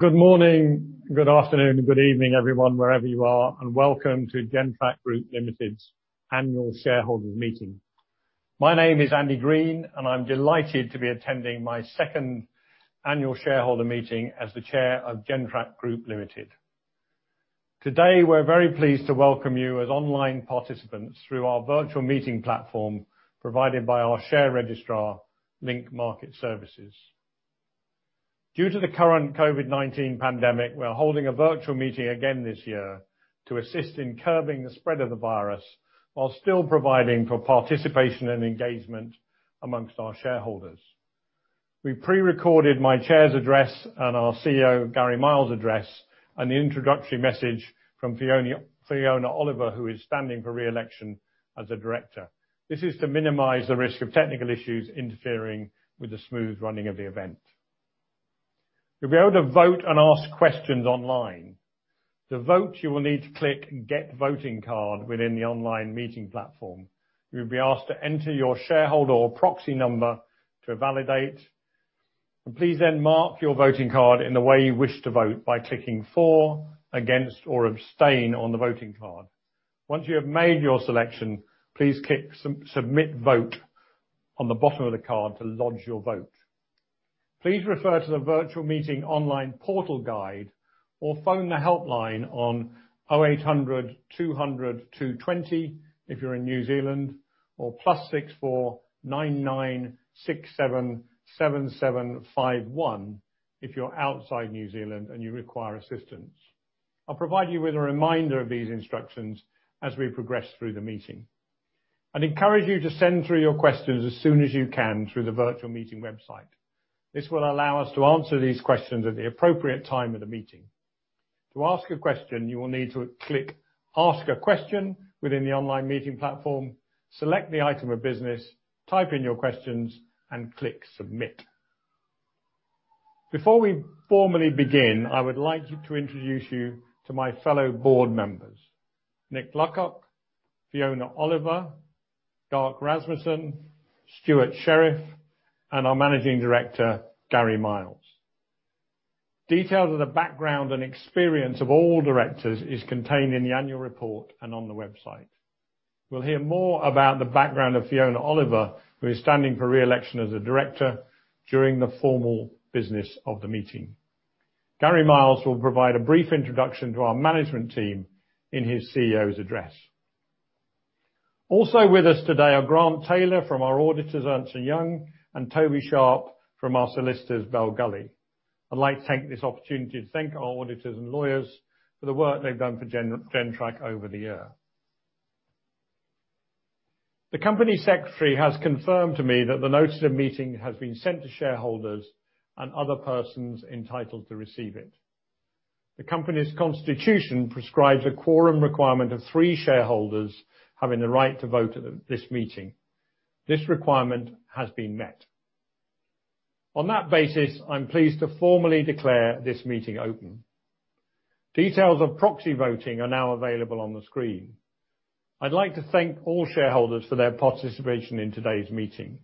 Good morning, good afternoon, and good evening, everyone, wherever you are, and welcome to Gentrack Group Limited's annual shareholders' meeting. My name is Andrew Green, and I'm delighted to be attending my second annual shareholder meeting as the Chair of Gentrack Group Limited. Today, we're very pleased to welcome you as online participants through our virtual meeting platform provided by our share registrar, Link Market Services. Due to the current COVID-19 pandemic, we're holding a virtual meeting again this year to assist in curbing the spread of the virus while still providing for participation and engagement among our shareholders. We pre-recorded my Chair's address and our CEO, Gary Miles' address, and the introductory message from Fiona Oliver, who is standing for re-election as a Director. This is to minimize the risk of technical issues interfering with the smooth running of the event. You'll be able to vote and ask questions online. To vote, you will need to click Get Voting Card within the online meeting platform. You'll be asked to enter your shareholder or proxy number to validate. Please then mark your voting card in the way you wish to vote by clicking For, Against, or Abstain on the voting card. Once you have made your selection, please click Submit Vote on the bottom of the card to lodge your vote. Please refer to the virtual meeting online portal guide, or phone the helpline on 0800 200 220 if you're in New Zealand, or +64 9 967 7751 if you're outside New Zealand and you require assistance. I'll provide you with a reminder of these instructions as we progress through the meeting. I'd encourage you to send through your questions as soon as you can through the virtual meeting website. This will allow us to answer these questions at the appropriate time of the meeting. To ask a question, you will need to click Ask a Question within the online meeting platform, select the item of business, type in your questions, and click Submit. Before we formally begin, I would like to introduce you to my fellow board members. Nick Luckock, Fiona Oliver, Darc Rasmussen, Stewart Sherriff, and our Managing Director, Gary Miles. Details of the background and experience of all directors is contained in the annual report and on the website. We'll hear more about the background of Fiona Oliver, who is standing for re-election as a Director during the formal business of the meeting. Gary Miles will provide a brief introduction to our management team in his CEO's address. Also with us today are Grant Taylor from our auditors, Ernst & Young, and Toby Sharpe from our solicitors, Bell Gully. I'd like to take this opportunity to thank our auditors and lawyers for the work they've done for Gentrack over the year. The company secretary has confirmed to me that the notice of meeting has been sent to shareholders and other persons entitled to receive it. The company's constitution prescribes a quorum requirement of three shareholders having the right to vote at this meeting. This requirement has been met. On that basis, I'm pleased to formally declare this meeting open. Details of proxy voting are now available on the screen. I'd like to thank all shareholders for their participation in today's meeting.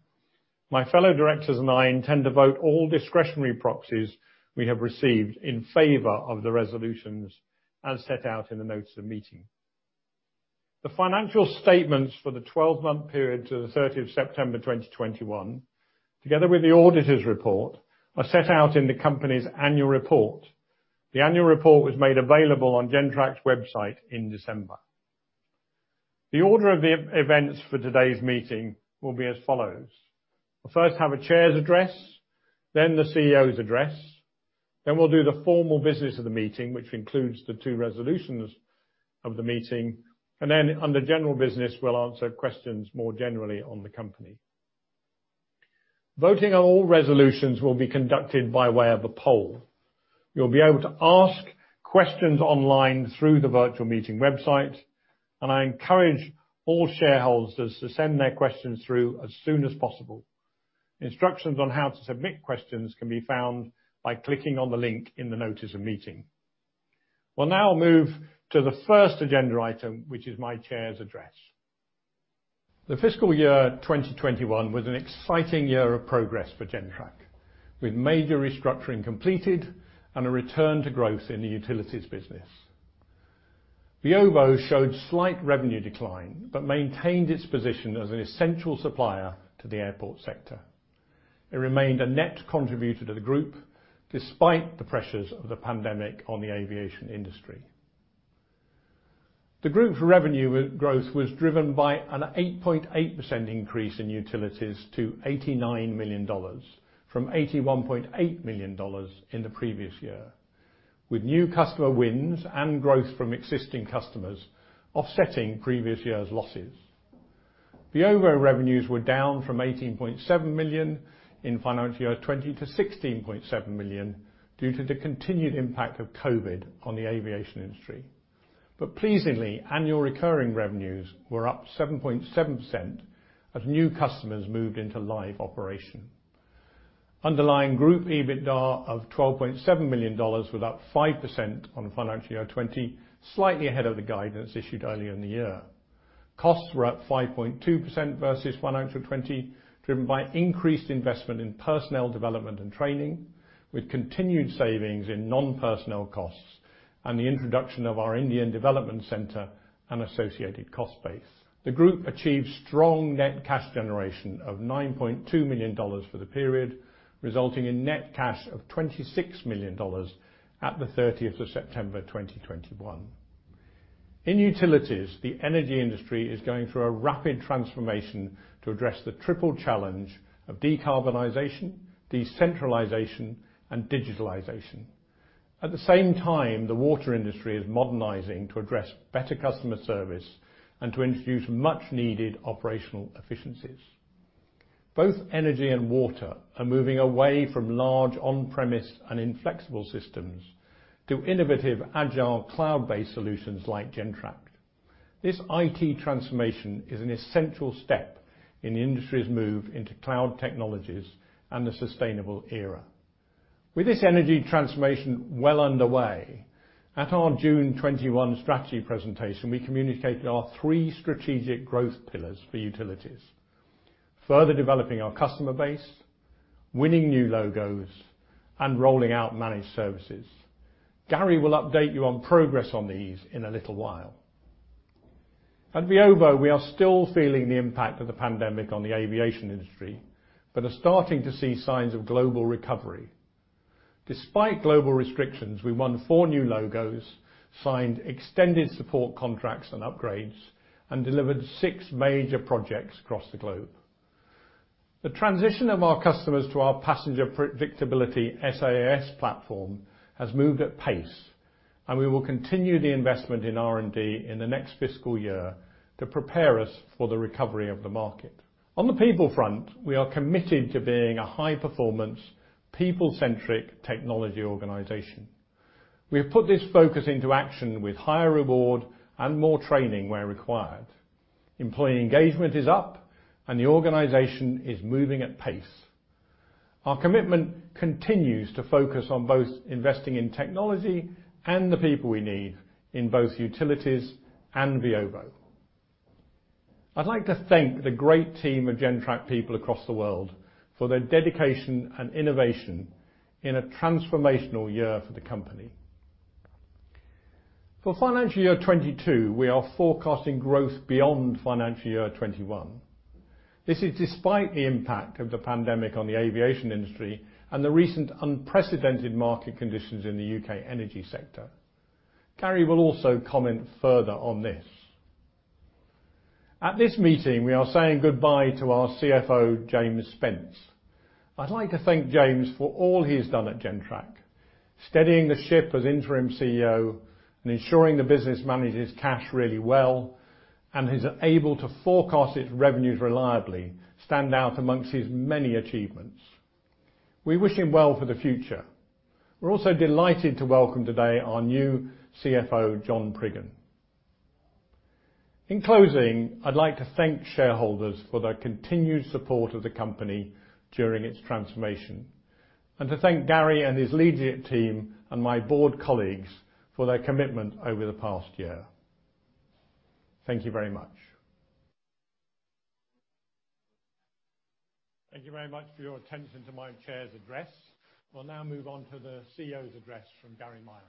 My fellow directors and I intend to vote all discretionary proxies we have received in favor of the resolutions as set out in the notice of meeting. The financial statements for the 12-month period to the 30th of September 2021, together with the auditor's report, are set out in the company's annual report. The annual report was made available on Gentrack's website in December. The order of the events for today's meeting will be as follows. We'll first have a chair's address, then the CEO's address. We'll do the formal business of the meeting, which includes the two resolutions of the meeting, and then under general business, we'll answer questions more generally on the company. Voting on all resolutions will be conducted by way of a poll. You'll be able to ask questions online through the virtual meeting website, and I encourage all shareholders to send their questions through as soon as possible. Instructions on how to submit questions can be found by clicking on the link in the notice of meeting. We'll now move to the first agenda item, which is my chair's address. The fiscal year 2021 was an exciting year of progress for Gentrack, with major restructuring completed and a return to growth in the utilities business. Veovo showed slight revenue decline, but maintained its position as an essential supplier to the airport sector. It remained a net contributor to the group despite the pressures of the pandemic on the aviation industry. The group revenue growth was driven by an 8.8% increase in utilities to 89 million dollars from 81.8 million dollars in the previous year, with new customer wins and growth from existing customers offsetting previous year's losses. The overall revenues were down from 18.7 million in financial year 2020 to 16.7 million due to the continued impact of COVID on the aviation industry. Pleasingly, annual recurring revenues were up 7.7% as new customers moved into live operation. Underlying group EBITDA of NZD 12.7 million New Zealand dollar was up 5% on FY 2020, slightly ahead of the guidance issued earlier in the year. Costs were up 5.2% versus 1Q 2020, driven by increased investment in personnel development and training, with continued savings in non-personnel costs, and the introduction of our Indian development center and associated cost base. The group achieved strong net cash generation of 9.2 million dollars New Zealand dollar for the period, resulting in net cash of 26 million dollars New Zealand dollar at 30 September 2021. In utilities, the energy industry is going through a rapid transformation to address the triple challenge of decarbonization, decentralization, and digitalization. At the same time, the water industry is modernizing to address better customer service and to introduce much needed operational efficiencies. Both energy and water are moving away from large on-premise and inflexible systems to innovative, agile, cloud-based solutions like Gentrack. This IT transformation is an essential step in the industry's move into cloud technologies and the sustainable era. With this energy transformation well underway, at our June 21 strategy presentation, we communicated our three strategic growth pillars for utilities. Further developing our customer base, winning new logos, and rolling out managed services. Gary will update you on progress on these in a little while. At Veovo, we are still feeling the impact of the pandemic on the aviation industry, but are starting to see signs of global recovery. Despite global restrictions, we won four new logos, signed extended support contracts and upgrades, and delivered six major projects across the globe. The transition of our customers to our Passenger Predictability SaaS platform has moved at pace, and we will continue the investment in R&D in the next fiscal year to prepare us for the recovery of the market. On the people front, we are committed to being a high-performance, people-centric technology organization. We have put this focus into action with higher reward and more training where required. Employee engagement is up, and the organization is moving at pace. Our commitment continues to focus on both investing in technology and the people we need in both utilities and Veovo. I'd like to thank the great team of Gentrack people across the world for their dedication and innovation in a transformational year for the company. For financial year 2022, we are forecasting growth beyond financial year 2021. This is despite the impact of the pandemic on the aviation industry and the recent unprecedented market conditions in the U.K. energy sector. Gary will also comment further on this. At this meeting, we are saying goodbye to our CFO, James Spence. I'd like to thank James for all he's done at Gentrack, steadying the ship as interim CEO and ensuring the business manages cash really well, and is able to forecast its revenues reliably, stand out amongst his many achievements. We wish him well for the future. We're also delighted to welcome today our new CFO, John Priggen. In closing, I'd like to thank shareholders for their continued support of the company during its transformation, and to thank Gary and his leadership team and my board colleagues for their commitment over the past year. Thank you very much. Thank you very much for your attention to my Chair's address. We'll now move on to the CEO's address from Gary Miles.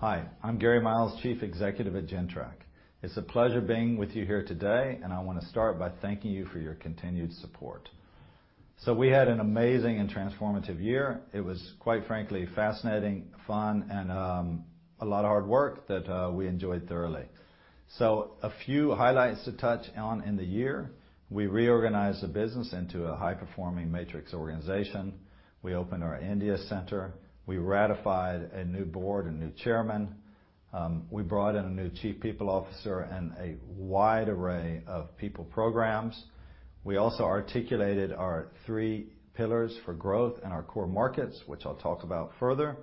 Hi, I'm Gary Miles, Chief Executive at Gentrack. It's a pleasure being with you here today, and I wanna start by thanking you for your continued support. We had an amazing and transformative year. It was, quite frankly, fascinating, fun, and a lot of hard work that we enjoyed thoroughly. A few highlights to touch on in the year. We reorganized the business into a high-performing matrix organization. We opened our India center. We ratified a new Board, a new Chairman. We brought in a new Chief People Officer and a wide array of people programs. We also articulated our three pillars for growth in our core markets, which I'll talk about further.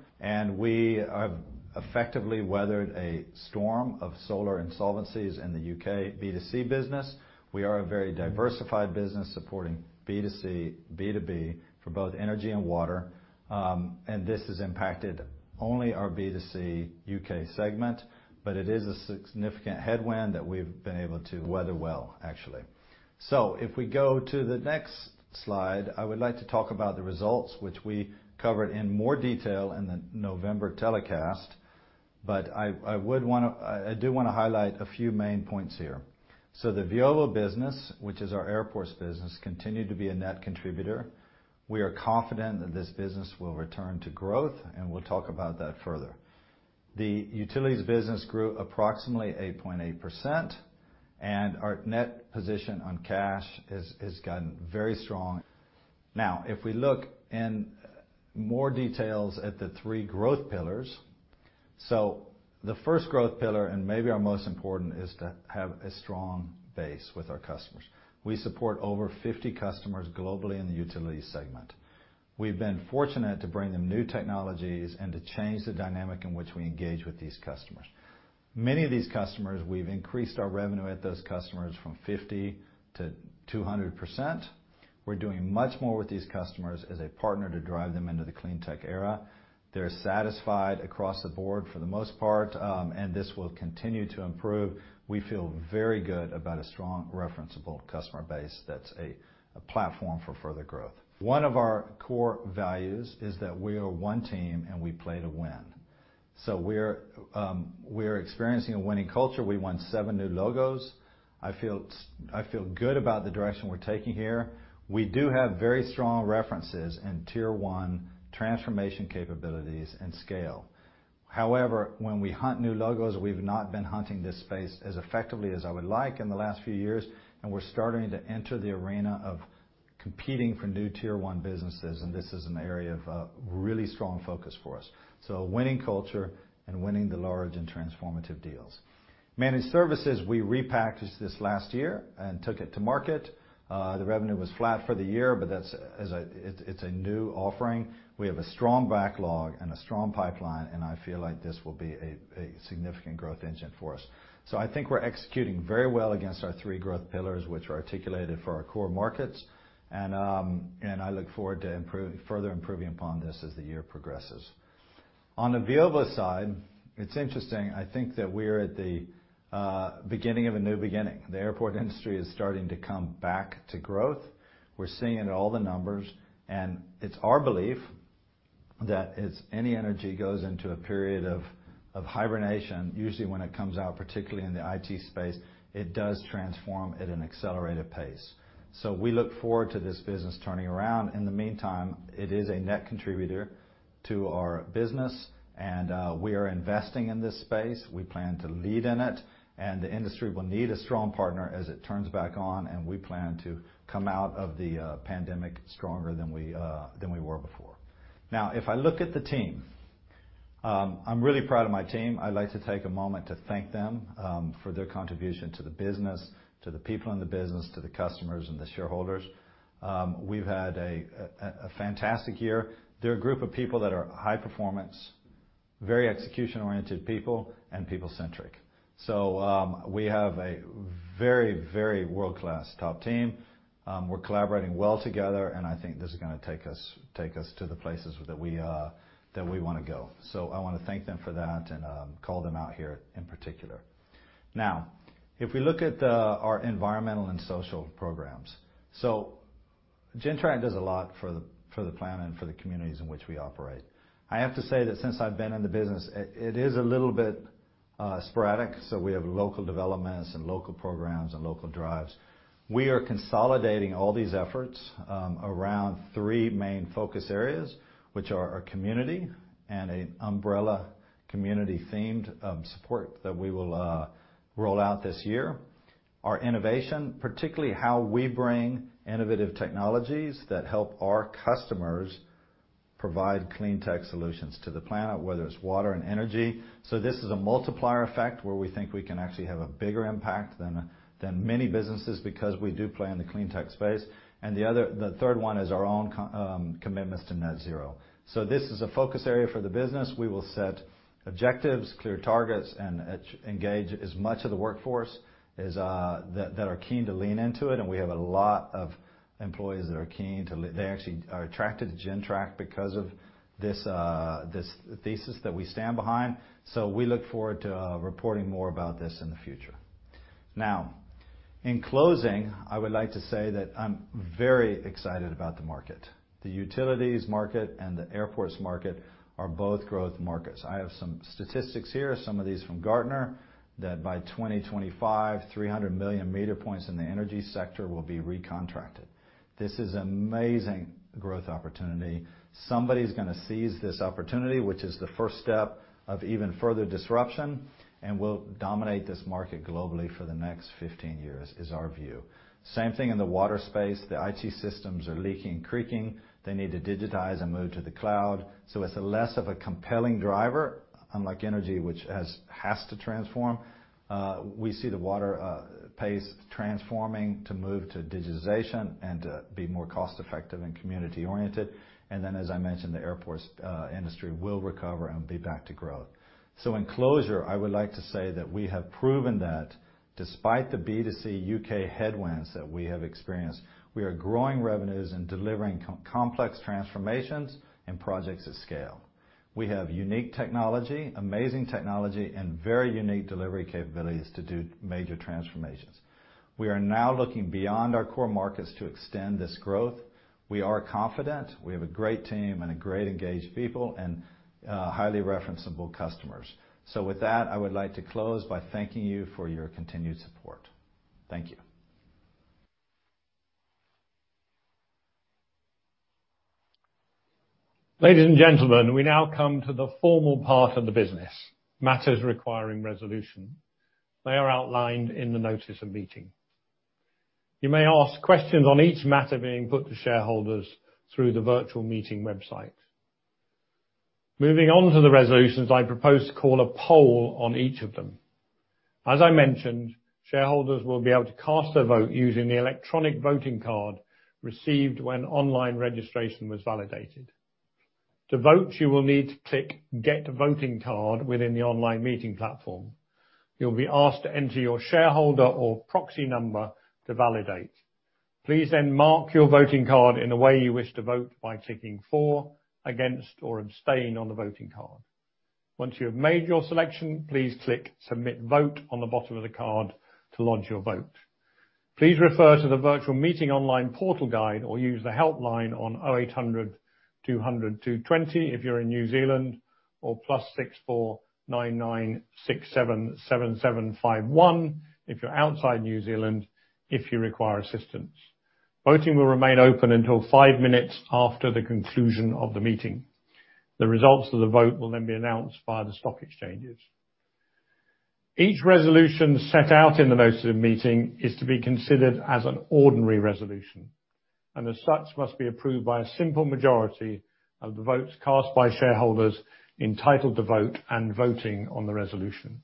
We have effectively weathered a storm of supplier insolvencies in the U.K. B2C business. We are a very diversified business supporting B2C, B2B for both energy and water. This has impacted only our B2C U.K. segment, but it is a significant headwind that we've been able to weather well, actually. If we go to the next slide, I would like to talk about the results which we covered in more detail in the November telecast. I do want to highlight a few main points here. The Veovo business, which is our airports business, continued to be a net contributor. We are confident that this business will return to growth, and we'll talk about that further. The utilities business grew approximately 8.8%, and our net position on cash has gotten very strong. Now, if we look in more detail at the three growth pillars, the first growth pillar, and maybe our most important, is to have a strong base with our customers. We support over 50 customers globally in the utilities segment. We've been fortunate to bring them new technologies and to change the dynamic in which we engage with these customers. Many of these customers, we've increased our revenue at those customers from 50%-200%. We're doing much more with these customers as a partner to drive them into the clean tech era. They're satisfied across the board for the most part, and this will continue to improve. We feel very good about a strong referenceable customer base that's a platform for further growth. One of our core values is that we are one team and we play to win. We're experiencing a winning culture. We won seven new logos. I feel good about the direction we're taking here. We do have very strong references in Tier 1 transformation capabilities and scale. However, when we hunt new logos, we've not been hunting this space as effectively as I would like in the last few years, and we're starting to enter the arena of competing for new Tier 1 businesses, and this is an area of really strong focus for us. Winning culture and winning the large and transformative deals. Managed services, we repackaged this last year and took it to market. The revenue was flat for the year, but that's a new offering. We have a strong backlog and a strong pipeline, and I feel like this will be a significant growth engine for us. I think we're executing very well against our three growth pillars which are articulated for our core markets, and I look forward to further improving upon this as the year progresses. On the Veovo side, it's interesting. I think that we're at the beginning of a new beginning. The airport industry is starting to come back to growth. We're seeing it in all the numbers, and it's our belief that as any industry goes into a period of hibernation, usually when it comes out, particularly in the IT space, it does transform at an accelerated pace. We look forward to this business turning around. In the meantime, it is a net contributor to our business and we are investing in this space. We plan to lead in it, and the industry will need a strong partner as it turns back on, and we plan to come out of the pandemic stronger than we were before. Now, if I look at the team, I'm really proud of my team. I'd like to take a moment to thank them for their contribution to the business, to the people in the business, to the customers and the shareholders. We've had a fantastic year. They're a group of people that are high performance, very execution-oriented people and people-centric. We have a very world-class top team. We're collaborating well together, and I think this is gonna take us to the places that we wanna go. I wanna thank them for that and call them out here in particular. Now, if we look at our environmental and social programs. Gentrack does a lot for the planet and for the communities in which we operate. I have to say that since I've been in the business, it is a little bit sporadic. We have local developments and local programs and local drives. We are consolidating all these efforts around three main focus areas, which are our community and an umbrella community themed support that we will roll out this year. Our innovation, particularly how we bring innovative technologies that help our customers provide clean tech solutions to the planet, whether it's water and energy. This is a multiplier effect where we think we can actually have a bigger impact than many businesses because we do play in the clean tech space. The third one is our own commitments to net zero. This is a focus area for the business. We will set objectives, clear targets, and engage as much of the workforce as are keen to lean into it. We have a lot of employees that are keen they actually are attracted to Gentrack because of this thesis that we stand behind. We look forward to reporting more about this in the future. Now, in closing, I would like to say that I'm very excited about the market. The utilities market and the airports market are both growth markets. I have some statistics here, some of these from Gartner, that by 2025, 300 million meter points in the energy sector will be recontracted. This is amazing growth opportunity. Somebody's gonna seize this opportunity, which is the first step of even further disruption, and will dominate this market globally for the next 15 years, is our view. Same thing in the water space. The IT systems are leaking, creaking. They need to digitize and move to the cloud. It's less of a compelling driver, unlike energy, which has to transform. We see the water space transforming to move to digitization and to be more cost-effective and community-oriented. Then, as I mentioned, the airports industry will recover and be back to growth. In conclusion, I would like to say that we have proven that despite the B2C U.K. headwinds that we have experienced, we are growing revenues and delivering complex transformations and projects at scale. We have unique technology, amazing technology, and very unique delivery capabilities to do major transformations. We are now looking beyond our core markets to extend this growth. We are confident. We have a great team and a great engaged people and, highly referenceable customers. With that, I would like to close by thanking you for your continued support. Thank you. Ladies and gentlemen, we now come to the formal part of the business, matters requiring resolution. They are outlined in the notice of meeting. You may ask questions on each matter being put to shareholders through the virtual meeting website. Moving on to the resolutions, I propose to call a poll on each of them. As I mentioned, shareholders will be able to cast their vote using the electronic voting card received when online registration was validated. To vote, you will need to click Get Voting Card within the online meeting platform. You'll be asked to enter your shareholder or proxy number to validate. Please then mark your voting card in the way you wish to vote by clicking For, Against, or Abstain on the voting card. Once you have made your selection, please click Submit Vote on the bottom of the card to lodge your vote. Please refer to the virtual meeting online portal guide, or use the helpline on 0800 200 220 if you're in New Zealand, or +64 9 967 7751 if you're outside New Zealand, if you require assistance. Voting will remain open until five minutes after the conclusion of the meeting. The results of the vote will then be announced via the stock exchanges. Each resolution set out in the notice of meeting is to be considered as an ordinary resolution, and as such must be approved by a simple majority of the votes cast by shareholders entitled to vote and voting on the resolution.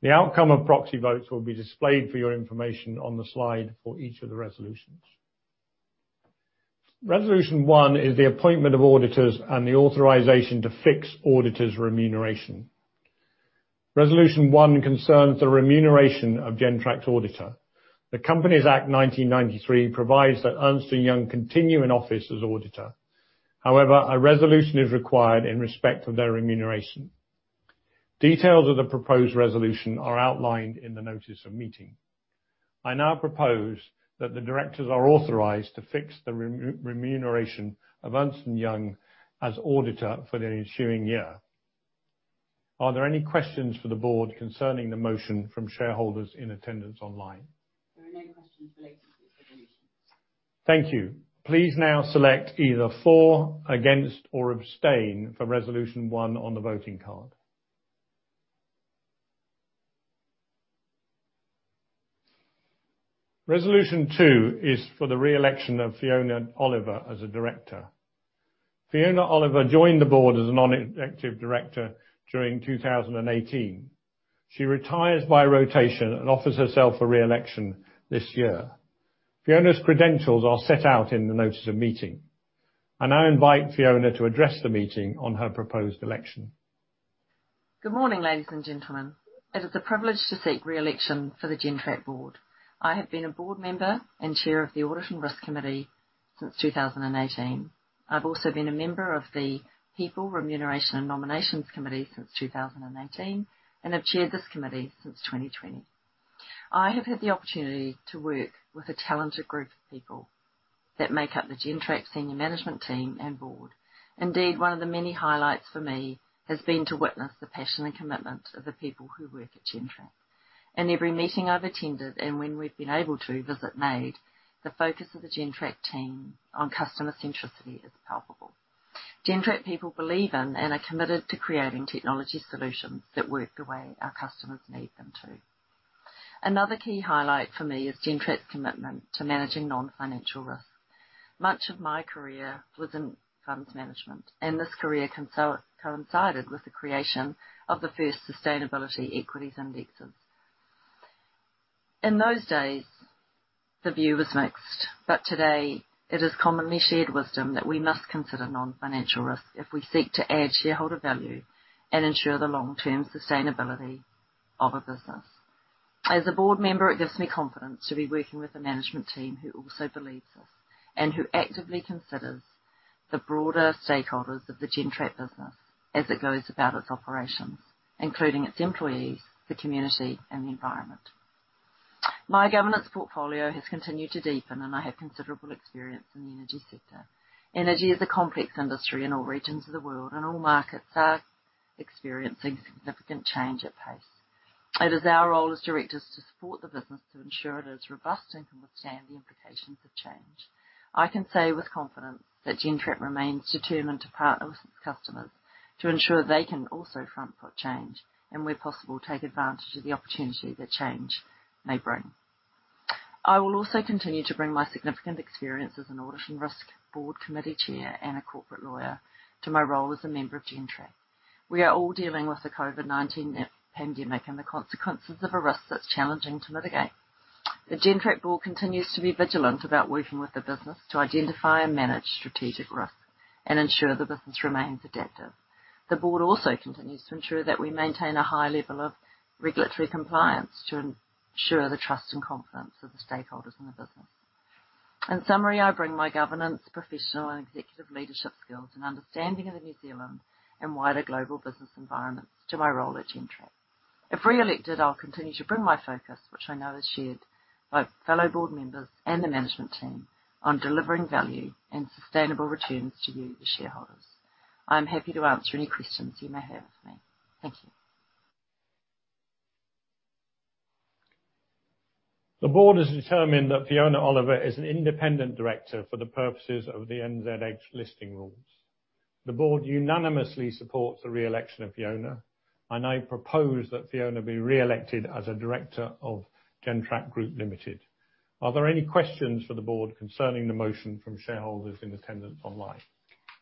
The outcome of proxy votes will be displayed for your information on the slide for each of the resolutions. Resolution One is the appointment of auditors and the authorization to fix auditors' remuneration. Resolution one concerns the remuneration of Gentrack's auditor. The Companies Act 1993 provides that Ernst & Young continue in office as auditor. However, a resolution is required in respect of their remuneration. Details of the proposed resolution are outlined in the notice of meeting. I now propose that the directors are authorized to fix the remuneration of Ernst & Young as auditor for the ensuing year. Are there any questions for the board concerning the motion from shareholders in attendance online? There are no questions relating to this resolution. Thank you. Please now select either For, Against, or Abstain for Resolution One on the voting card. Resolution Two is for the re-election of Fiona Oliver as a Director. Fiona Oliver joined the board as a Non-Executive Director during 2018. She retires by rotation and offers herself for re-election this year. Fiona's credentials are set out in the notice of meeting. I now invite Fiona to address the meeting on her proposed election. Good morning, ladies and gentlemen. It is a privilege to seek re-election for the Gentrack Board. I have been a Board Member and Chair of the Audit and Risk Committee since 2018. I've also been a member of the People, Remuneration, and Nominations Committee since 2018, and have chaired this Committee since 2020. I have had the opportunity to work with a talented group of people that make up the Gentrack senior management team and Board. Indeed, one of the many highlights for me has been to witness the passion and commitment of the people who work at Gentrack. In every meeting I've attended and when we've been able to visit MADE, the focus of the Gentrack team on customer centricity is palpable. Gentrack people believe in and are committed to creating technology solutions that work the way our customers need them to. Another key highlight for me is Gentrack's commitment to managing non-financial risk. Much of my career was in funds management, and this career coincided with the creation of the first sustainability equities indexes. In those days, the view was mixed, but today it is commonly shared wisdom that we must consider non-financial risk if we seek to add shareholder value and ensure the long-term sustainability of a business. As a Board member, it gives me confidence to be working with a management team who also believes this and who actively considers the broader stakeholders of the Gentrack business as it goes about its operations, including its employees, the community, and the environment. My governance portfolio has continued to deepen, and I have considerable experience in the energy sector. Energy is a complex industry in all regions of the world, and all markets are experiencing significant change at pace. It is our role as directors to support the business to ensure it is robust and can withstand the implications of change. I can say with confidence that Gentrack remains determined to partner with its customers to ensure they can also front-foot change and, where possible, take advantage of the opportunity that change may bring. I will also continue to bring my significant experience as an Audit and Risk Board Committee Chair and a corporate lawyer to my role as a member of Gentrack. We are all dealing with the COVID-19 pandemic and the consequences of a risk that's challenging to mitigate. The Gentrack board continues to be vigilant about working with the business to identify and manage strategic risk and ensure the business remains adaptive. The Board also continues to ensure that we maintain a high level of regulatory compliance to ensure the trust and confidence of the stakeholders in the business. In summary, I bring my governance, professional, and executive leadership skills and understanding of the New Zealand and wider global business environments to my role at Gentrack. If re-elected, I'll continue to bring my focus, which I know is shared by fellow Board members and the management team, on delivering value and sustainable returns to you, the shareholders. I'm happy to answer any questions you may have for me. Thank you. The Board has determined that Fiona Oliver is an Independent Director for the purposes of the NZX listing rules. The Board unanimously supports the re-election of Fiona. I now propose that Fiona be re-elected as a Director of Gentrack Group Limited. Are there any questions for the Board concerning the motion from shareholders in attendance online?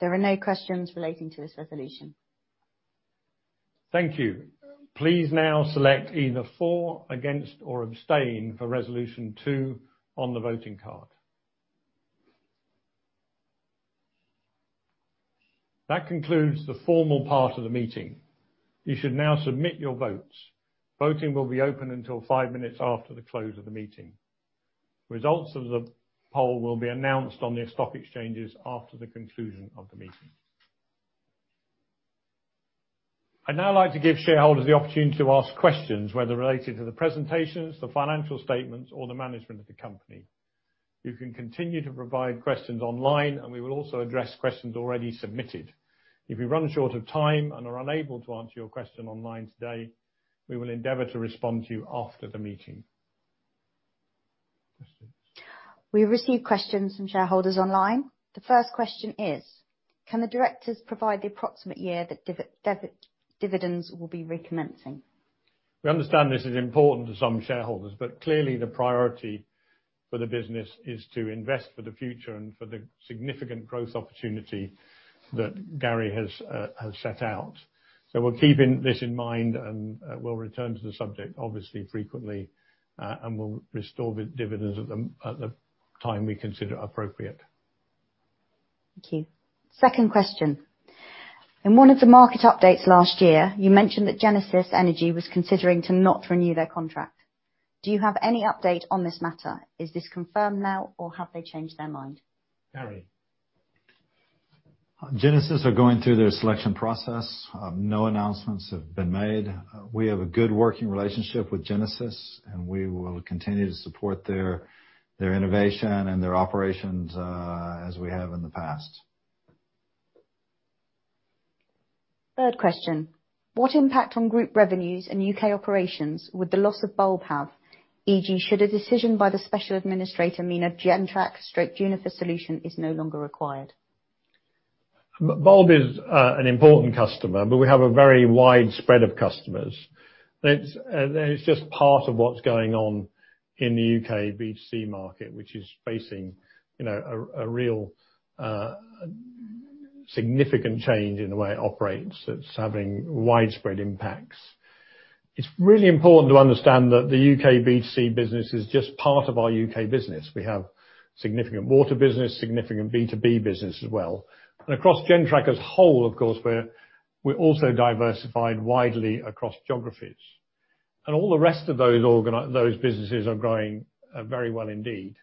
There are no questions relating to this resolution. Thank you. Please now select either for, against, or abstain for Resolution Two on the voting card. That concludes the formal part of the meeting. You should now submit your votes. Voting will be open until five minutes after the close of the meeting. Results of the poll will be announced on the stock exchanges after the conclusion of the meeting. I'd now like to give shareholders the opportunity to ask questions, whether related to the presentations, the financial statements, or the management of the company. You can continue to provide questions online, and we will also address questions already submitted. If we run short of time and are unable to answer your question online today, we will endeavor to respond to you after the meeting. Questions. We've received questions from shareholders online. The first question is: Can the directors provide the approximate year that dividends will be recommencing? We understand this is important to some shareholders, but clearly the priority for the business is to invest for the future and for the significant growth opportunity that Gary has set out. We're keeping this in mind, and we'll return to the subject obviously frequently. We'll restore the dividends at the time we consider appropriate. Thank you. Second question. In one of the market updates last year, you mentioned that Genesis Energy was considering to not renew their contract. Do you have any update on this matter? Is this confirmed now, or have they changed their mind? Gary. Genesis are going through their selection process. No announcements have been made. We have a good working relationship with Genesis, and we will continue to support their innovation and their operations, as we have in the past. Third question. What impact on group revenues and U.K. operations would the loss of Bulb have, e.g., should a decision by the special administrator mean a Gentrack straight Junifer solution is no longer required? Bulb is an important customer, but we have a very wide spread of customers. It's just part of what's going on in the U.K. B2C market, which is facing, you know, a real significant change in the way it operates. It's having widespread impacts. It's really important to understand that the U.K. B2C business is just part of our U.K. business. We have significant water business, significant B2B business as well. Across Gentrack as a whole, of course, we're also diversified widely across geographies. All the rest of those businesses are growing very well indeed.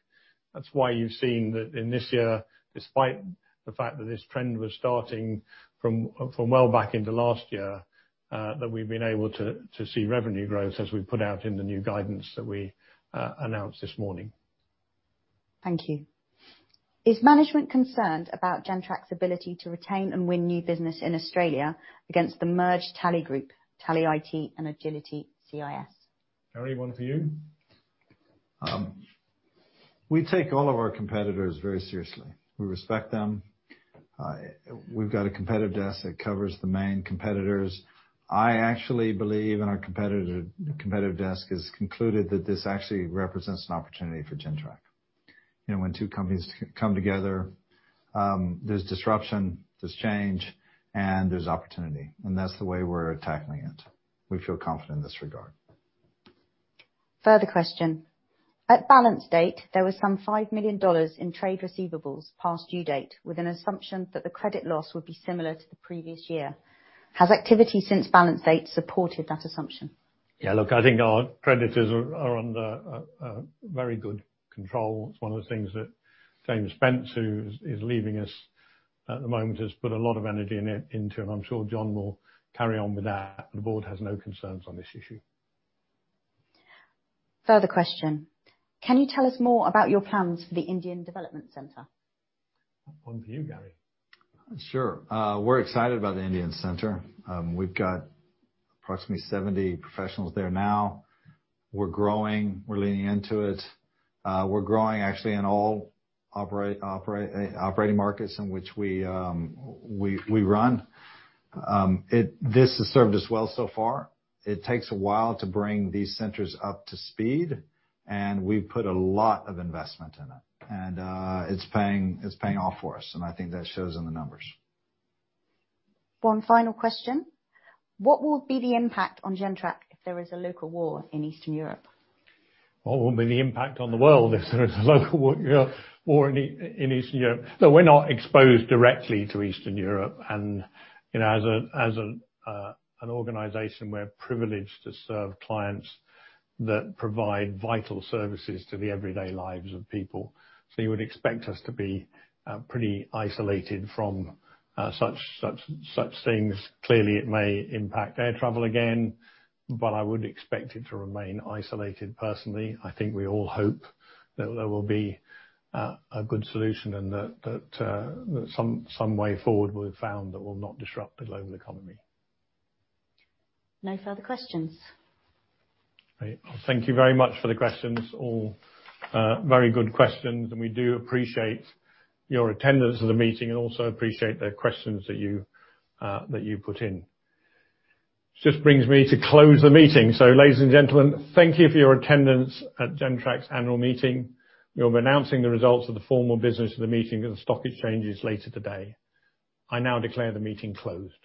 That's why you've seen that in this year, despite the fact that this trend was starting from well back into last year, that we've been able to see revenue growth as we put out in the new guidance that we announced this morning. Thank you. Is management concerned about Gentrack's ability to retain and win new business in Australia against the merged Tally Group, Tally IT and Agility CIS? Gary, one for you. We take all of our competitors very seriously. We respect them. We've got a competitive desk that covers the main competitors. I actually believe, and our competitive desk has concluded that this actually represents an opportunity for Gentrack. You know, when two companies come together, there's disruption, there's change, and there's opportunity, and that's the way we're tackling it. We feel confident in this regard. Further question. At balance date, there was 5 million dollars New Zealand dollar in trade receivables past due date with an assumption that the credit loss would be similar to the previous year. Has activity since balance date supported that assumption? Yeah, look, I think our creditors are under very good control. It's one of the things that James Spence, who is leaving us at the moment, has put a lot of energy into, and I'm sure John will carry on with that. The Board has no concerns on this issue. Further question. Can you tell us more about your plans for the Indian development center? One for you, Gary. Sure. We're excited about the Indian center. We've got approximately 70 professionals there now. We're growing. We're leaning into it. We're growing actually in all operating markets in which we run. This has served us well so far. It takes a while to bring these centers up to speed, and we've put a lot of investment in it. It's paying off for us, and I think that shows in the numbers. One final question. What will be the impact on Gentrack if there is a local war in Eastern Europe? What will be the impact on the world if there is a local war in Eastern Europe? No, we're not exposed directly to Eastern Europe, and, you know, as an organization, we're privileged to serve clients that provide vital services to the everyday lives of people. You would expect us to be pretty isolated from such things. Clearly, it may impact air travel again, but I would expect it to remain isolated personally. I think we all hope that there will be a good solution and that some way forward will be found that will not disrupt the global economy. No further questions. Great. Thank you very much for the questions, all, very good questions, and we do appreciate your attendance at the meeting and also appreciate the questions that you put in. Just brings me to close the meeting. Ladies and gentlemen, thank you for your attendance at Gentrack's annual meeting. We'll be announcing the results of the formal business of the meeting at the stock exchanges later today. I now declare the meeting closed.